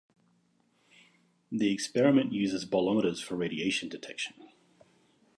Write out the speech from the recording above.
The experiment uses bolometers for radiation detection.